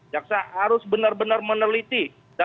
jaksa harus benar benar meneliti